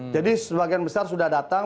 jadi sebagian besar sudah datang